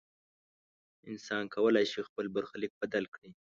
انسان کولی شي خپل برخلیک بدل کړي.